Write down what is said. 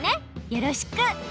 よろしく！